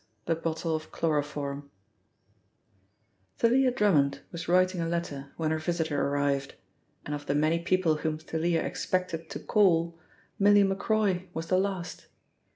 — THE BOTTLE OF CHLOROFORM THALIA DRUMMOND was writing a letter when her visitor arrived, and of the many people whom Thalia expected to call, Millie Macroy was the last.